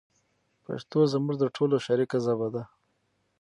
پښتو زموږ د ټولو شریکه ژبه ده.